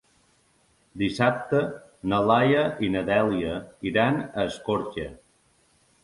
Dissabte na Laia i na Dèlia iran a Escorca.